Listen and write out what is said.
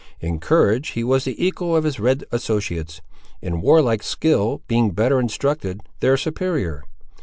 In courage he was the equal of his red associates; in warlike skill, being better instructed, their superior.